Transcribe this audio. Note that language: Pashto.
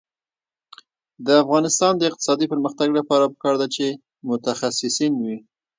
د افغانستان د اقتصادي پرمختګ لپاره پکار ده چې متخصصین وي.